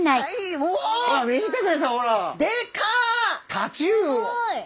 タチウオ！